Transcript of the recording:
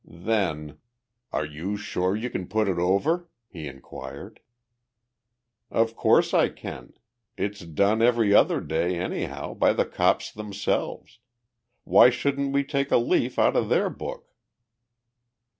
Then, "Are you sure you can put it over?" he inquired. "Of course I can. It's done every other day, anyhow, by the cops themselves. Why shouldn't we take a leaf out of their book?"